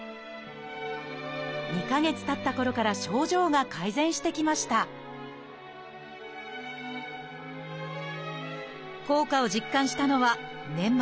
２か月たったころから症状が改善してきました効果を実感したのは年末。